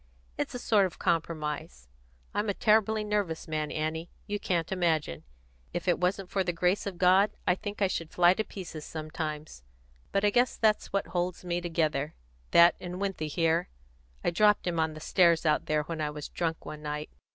It's a sort of compromise. I'm a terribly nervous man, Annie; you can't imagine. If it wasn't for the grace of God, I think I should fly to pieces sometimes. But I guess that's what holds me together that and Winthy here. I dropped him on the stairs out there, when I was drunk, one night.